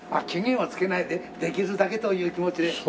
期限はつけないでできるだけという気持ちで。